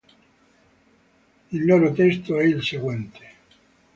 Il loro testo è il seguente.